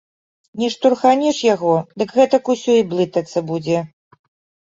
Не штурханеш яго, дык гэтак усё і блытацца будзе.